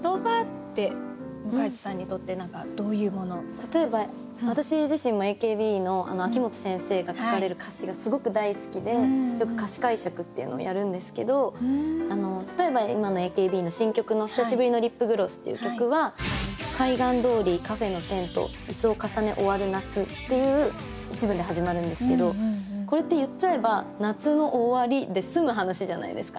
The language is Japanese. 例えば私自身もＡＫＢの秋元先生が書かれる歌詞がすごく大好きでよく歌詞解釈っていうのをやるんですけど例えば今のＡＫＢの新曲の「久しぶりのリップグロス」っていう曲は「海岸通りカフェのテント椅子を重ね終わる夏」っていう一文で始まるんですけどこれって言っちゃえば「夏の終わり」で済む話じゃないですか。